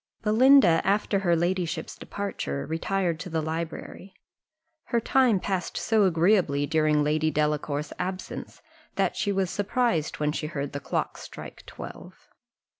Belinda, after her ladyship's departure, retired to the library. Her time passed so agreeably during Lady Delacour's absence, that she was surprised when she heard the clock strike twelve.